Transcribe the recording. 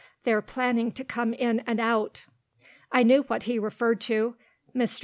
"They're planning to come in and out." I knew what he referred to. Mr.